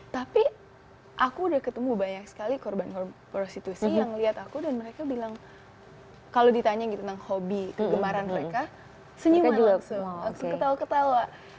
tapi aku sudah ketemu banyak sekali korban korban prostitusi yang melihat aku dan mereka bilang kalau ditanya gitu tentang hobi kegemaran mereka senyuman langsung langsung ketawa ketawa